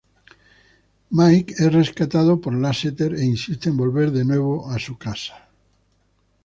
Mike es rescatado por Lasseter e insiste en volver de nuevo a su casa.